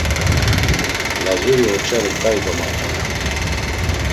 Lazuri oç̌aru ǩai domatzonen.